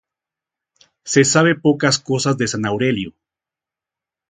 Se sabe pocas cosas de San Aurelio.